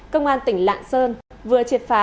công an tỉnh lạng sơn vừa triệt phá